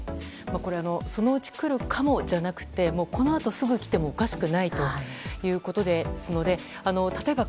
これはそのうち来るかもじゃなくてこのあとすぐ来てもおかしくないということですので例えば、